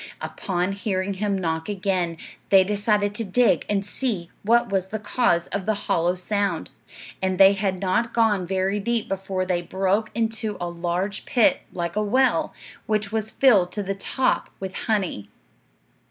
Upon hearing him knock again, they decided to dig and see what was the cause of the hollow sound; and they had not gone very deep before they broke into a large pit, like a well, which was filled to the top with honey.